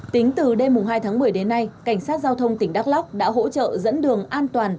tính từ đêm hai tháng một mươi đến nay cảnh sát giao thông tỉnh đắk lóc đã hỗ trợ dẫn đường an toàn